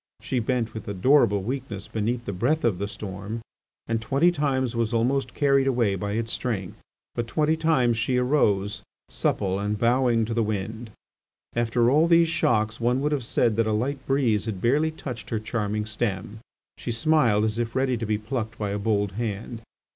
She bent with adorable weakness beneath the breath of the storm, and twenty times was almost carried away by its strength, but twenty times she arose, supple and, bowing to the wind. After all these shocks one would have said that a light breeze had barely touched her charming stem; she smiled as if ready to be plucked by a bold hand.